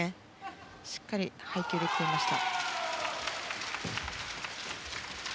しっかり配球できていました。